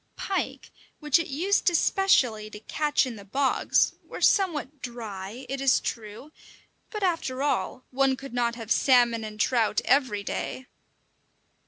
Pike, which it used especially to catch in the bogs, were somewhat dry, it is true, but after all, one could not have salmon and trout every day!